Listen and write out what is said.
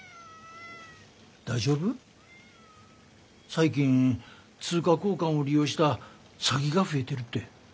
最近通貨交換を利用した詐欺が増えてるって。